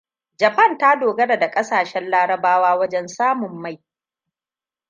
Japan ta dogara da ƙasashen larabawa wajen samun mai.